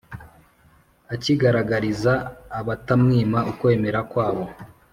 akigaragariza abatamwima ukwemera kwabo.